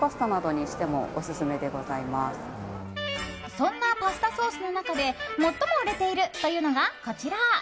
そんなパスタソースの中で最も売れているというのがこちら。